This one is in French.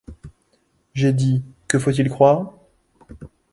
J’ai dit : Que faut-il croire ?